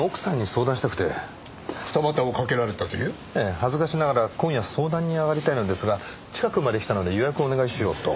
恥ずかしながら今夜相談に上がりたいのですが近くまで来たので予約をお願いしようと。